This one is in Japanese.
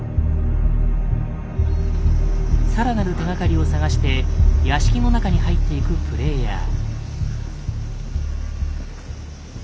更なる手がかりを探して屋敷の中に入っていくプレイヤー。